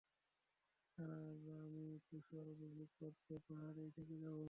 আর আমি তুষার উপভোগ করতে পাহাড়েই থেকে যাব।